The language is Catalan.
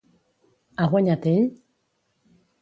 Ha guanyat ell?